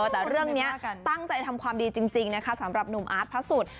แต่เรื่องนี้ตั้งใจทำความดีจริงนะคะสำหรับหนุ่มอาร์ตพระสุทธิ์